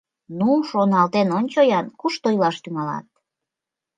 Ну, шоналтен ончо-ян, кушто илаш тӱҥалат?